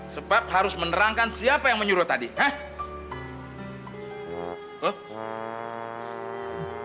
sebab harus menerangkan siapa yang menyuruh tadi